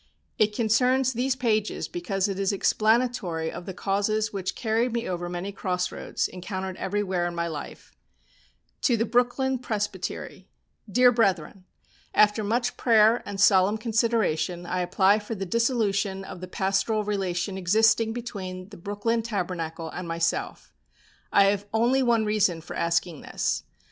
It concerns these pages because it is explanatory of the causes which carried me over many crossroads, encountered everywhere in my life: "To the Brooklyn Presbytery "Dear Brethren, After much prayer and solemn consideration I apply for the dissolution of the pastoral relation existing between the Brooklyn Tabernacle and myself. I have only one reason for asking this.